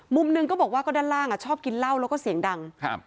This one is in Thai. มุมหนึ่งก็บอกว่าก็ด้านล่างอ่ะชอบกินเหล้าแล้วก็เสียงดังครับ